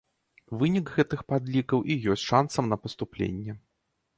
Вынік гэтых падлікаў і ёсць шанцам на паступленне.